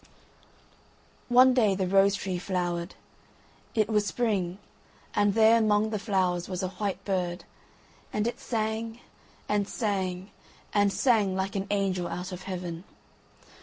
One day the rose tree flowered. It was spring, and there among the flowers was a white bird; and it sang, and sang, and sang like an angel out of heaven.